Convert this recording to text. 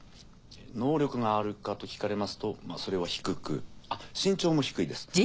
能力があるかと聞かれますとそれは低くあっ身長も低いです。